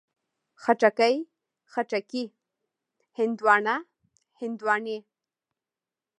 خټکی، خټکي، هندواڼه، هندواڼې